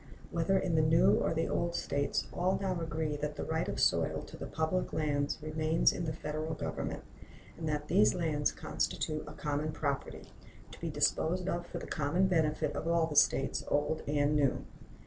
Whether in the new or the old States, all now agree that the right of soil to the public lands remains in the Federal Government, and that these lands constitute a common property, to be disposed of for the common benefit of all the States, old and new.